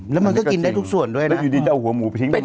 แล้วมันก็กินได้ทุกส่วนด้วยนะแล้วอยู่ดีจะเอาหัวหมูทิ้งไปเลย